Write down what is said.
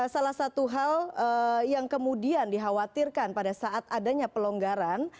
salah satu hal yang kemudian dikhawatirkan pada saat adanya pelonggaran